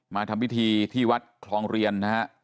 มาทำพิธีที่วัดคลองเรียนนะฮะ